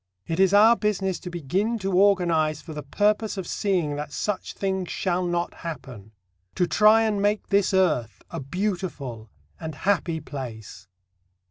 It is our business to begin to organize for the purpose of seeing that such things shall not happen; to try and make this earth a beautiful and happy place.